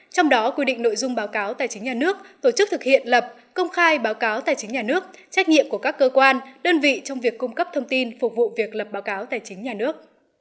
trong đó quy định nội dung báo cáo tài chính nhà nước tổ chức thực hiện lập công khai báo cáo tài chính nhà nước trách nhiệm của các cơ quan đơn vị trong việc cung cấp thông tin phục vụ việc lập báo cáo tài chính nhà nước